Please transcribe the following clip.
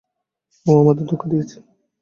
ও আমাদের ধোঁকা দিয়েছে!